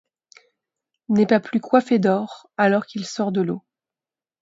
N’est pas plus coiffé d’or alors qu’il sort de l’eau.